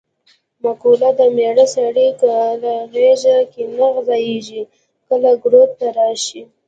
مقوله ده: مېړه سړی کله غېږ کې نه ځایېږې کله ګروت ته راشي.